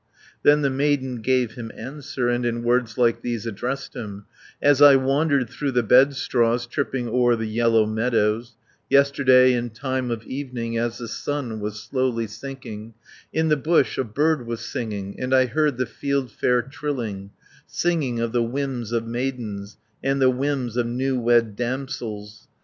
50 Then the maiden gave him answer, And in words like these addressed him: "As I wandered through the bedstraws Tripping o'er the yellow meadows, Yesterday, in time of evening, As the sun was slowly sinking, In the bush a bird was singing, And I heard the fieldfare trilling, Singing of the whims of maidens, And the whims of new wed damsels.